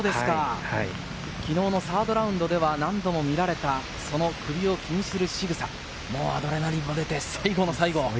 昨日の３ｒｄラウンドでは何度も見られた、その首を気にするしぐさ、もうアドレナリンも出て最後の最後。